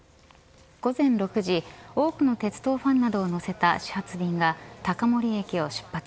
午前６時多くの鉄道ファンなどを乗せた始発便が高森駅を出発。